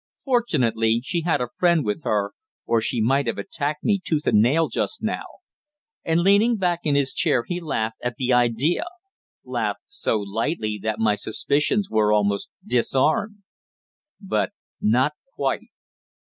"Fortunately, she had a friend with her, or she might have attacked me tooth and nail just now," and leaning back in his chair he laughed at the idea laughed so lightly that my suspicions were almost disarmed. But not quite.